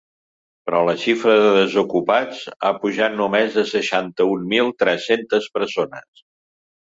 Però la xifra de desocupats ha pujat només de seixanta-un mil tres-centes persones.